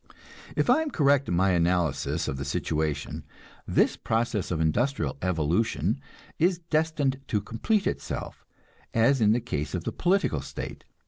If I am correct in my analysis of the situation, this process of industrial evolution is destined to complete itself, as in the case of the political state.